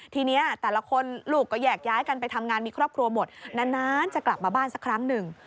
ทีนี้แต่ละคนลูกก็แยกย้ายกันไปทำงานมีครอบครัวหมดนานจะกลับมาบ้านสักครั้งหนึ่ง